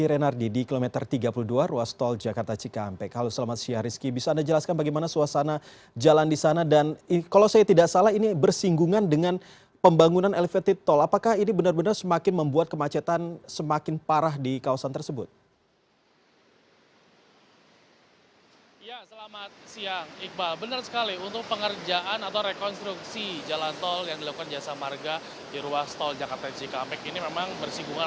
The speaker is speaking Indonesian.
pekerjaan atau rekonstruksi jalan tol yang dilakukan jasa marga di ruas tol jakarta dan cikampek ini memang bersinggungan